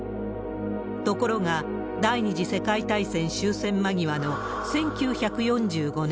ところが、第２次世界大戦終戦間際の１９４５年８月９日